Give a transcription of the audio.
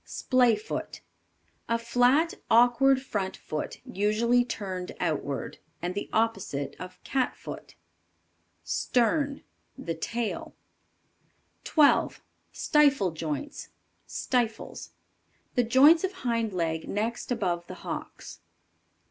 Splay foot. A flat, awkward front foot, usually turned outward; and the opposite of "Cat foot." Stern. The tail. 12. STIFLE JOINTS. Stifles. The joints of hind leg next above the hocks.